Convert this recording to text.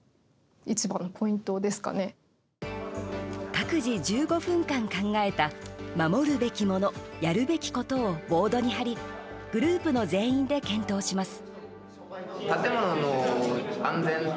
各自１５分間考えた守るべきもの、やるべきことをボードに貼りグループの全員で検討します。